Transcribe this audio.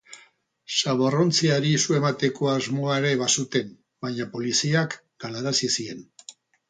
Zaborrontziari su emateko asmoa ere bazuten, baina poliziak galarazi zien.